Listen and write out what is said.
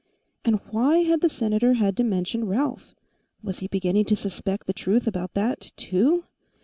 And why had the Senator had to mention Ralph? Was he beginning to suspect the truth about that, too?